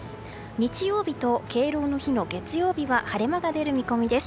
日曜日と、敬老の日の月曜日は晴れ間が出る見込みです。